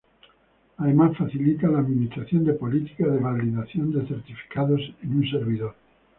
Además facilita la administración de políticas de validación de certificados en un servidor.